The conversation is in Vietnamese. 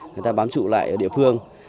người ta bám trụ lại ở địa phương